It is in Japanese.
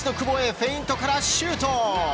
フェイントからシュート！